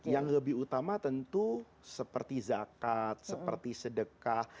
yang lebih utama tentu seperti zakat seperti sedekah